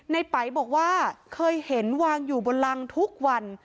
ไปบอกว่าเคยเห็นวางอยู่บนรังทุกวัน